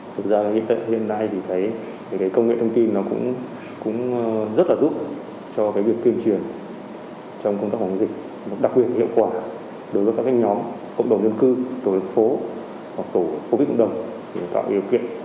thực ra hiện nay thì thấy cái công nghệ thông tin nó cũng rất là giúp cho cái việc tuyên truyền trong công tác phòng chống dịch đặc biệt hiệu quả đối với các nhóm cộng đồng nhân cư tổ dân phố hoặc tổ quốc tế cộng đồng để tạo điều kiện